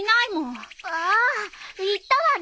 うわ言ったわね！